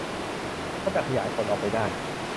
ก็จะขยายผลออกไปได้